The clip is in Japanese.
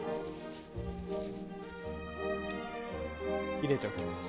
入れておきます。